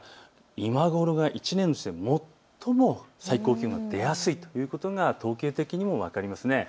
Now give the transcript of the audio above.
今頃が１年のうち最も最高気温が出やすいということが統計的にも分かります。